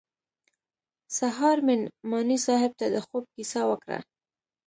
سهار مې نعماني صاحب ته د خوب کيسه وکړه.